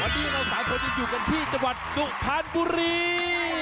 วันนี้เรา๓คนจะอยู่กันที่จังหวัดสุพรรณบุรี